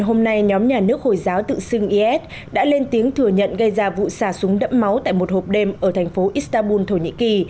hôm nay nhóm nhà nước hồi giáo tự xưng is đã lên tiếng thừa nhận gây ra vụ xả súng đẫm máu tại một hộp đêm ở thành phố istanbul thổ nhĩ kỳ